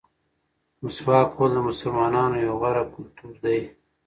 مسواک وهل د مسلمانانو یو غوره کلتور دی.